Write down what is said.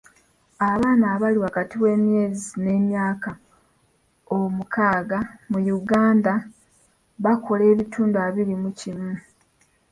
Abaana abali wakati w'emyezi n'emyaka omukaaga mu Uganda bakola ebitundu abiri ku kikumi.